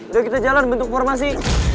yuk kita jalan bentuk formasi